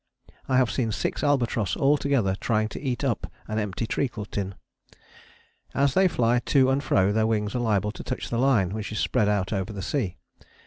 I have seen six albatross all together trying to eat up an empty treacle tin. As they fly to and fro their wings are liable to touch the line which is spread out over the sea.